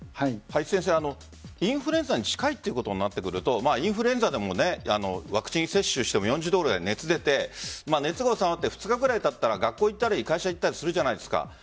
インフルエンザに近いということになってくるとインフルエンザでもワクチン接種しても４０度ぐらい熱が出て熱が収まって２日ぐらいたったら学校行ったり会社行ったりするじゃないですか。